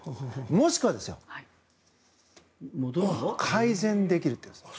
もしくは改善できるというんです。